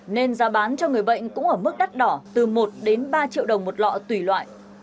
nên giá bán cho người bệnh cũng ở mức đắt đỏ từ một đến ba triệu đồng một lọ tùy loại